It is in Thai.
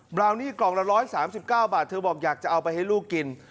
ราวนี่กล่องละ๑๓๙บาทเธอบอกอยากจะเอาไปให้ลูกกิน